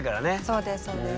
そうですそうです。